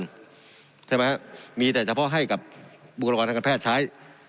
ใช่ไหมครับมีแต่เฉพาะให้กับบุคลากรทางการแพทย์ใช้